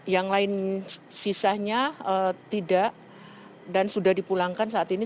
yang lain sisanya tidak dan sudah dipulangkan saat ini